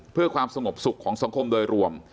เพื่อความสงบสุขของสังคมโดยรวม